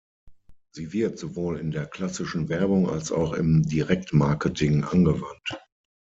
Sie wird sowohl in der klassischen Werbung als auch im Direktmarketing angewandt.